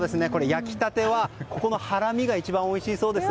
焼きたては、ここのハラミが一番おいしいそうです。